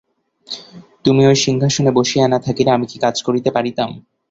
তুমি ওই সিংহাসনে বসিয়া না থাকিলে আমি কি কাজ করিতে পারিতাম?